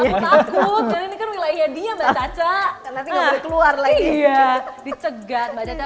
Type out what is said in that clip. aku takut dengan wilayah dia mbak caca karena tidak boleh keluar lagi ya dicegat mbak caca